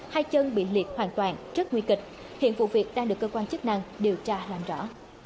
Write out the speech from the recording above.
hai chân bị liệt hoàn toàn rất nguy kịch hiện vụ việc đang được cơ quan chức năng điều tra làm rõ